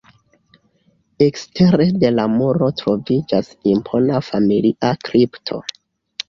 Ekstere de la muro troviĝas impona familia kripto.